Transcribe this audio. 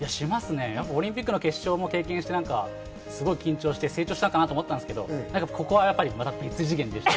オリンピックの決勝も経験して緊張して成長したかなと思ったんですけどここは別次元でした。